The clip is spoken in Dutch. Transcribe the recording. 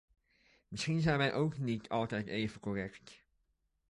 Misschien zijn ook wij niet altijd even correct.